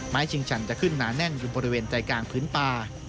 ชิงชันจะขึ้นหนาแน่นอยู่บริเวณใจกลางพื้นป่า